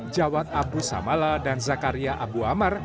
jawad abu samala dan zakaria abu ammar